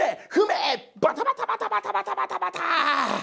バタバタバタバタバタバタバタ！